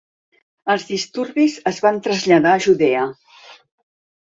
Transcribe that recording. Els disturbis es van traslladar a Judea.